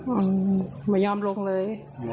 อืมไม่ยอมลงเลย